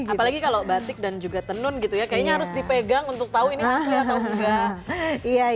apalagi kalau batik dan juga tenun gitu ya kayaknya harus dipegang untuk tahu ini asli atau enggak